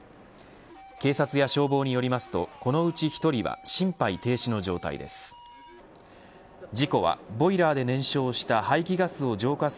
警察や消防によりますとこのうち１人は心肺停止の状態です。